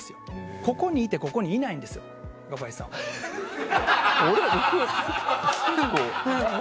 ここにいてここにいないんですよ若林さんは。